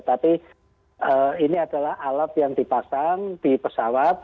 tapi ini adalah alat yang dipasang di pesawat